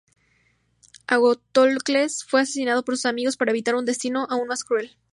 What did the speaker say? Agatocles fue asesinado por sus amigos, para evitar un destino aún más cruel.